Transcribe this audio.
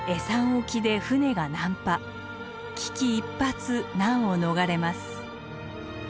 危機一髪難を逃れます。